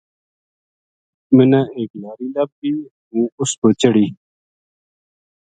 مَنا ایک لاری لبھ گئی ہوں اس پو چڑھی